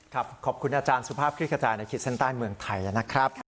ครับขอบคุณอาจารย์สุภาพคลิกระจายในคิดแท่งใต้เมืองไทยนะครับ